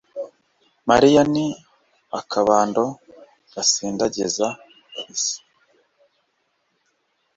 mariya ni akabando gasindagiza, si